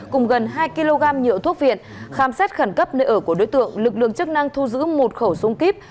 cùng gần hai kg nhựa thuốc viện khám xét khẩn cấp nơi ở của đối tượng lực lượng chức năng thu giữ một khẩu súng kíp